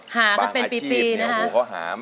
หาก็เป็นปีปีนะฮะ